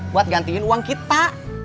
buat gantiin uang kita